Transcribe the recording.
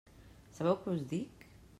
Sabeu què us dic?